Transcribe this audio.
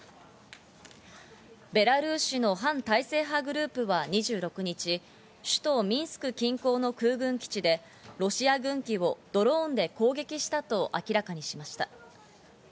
ベラルーシの反体制派グループは２６日、首都ミンスク近郊の空軍基地で、ロシア軍機をドローンで攻撃したと明らかにしました。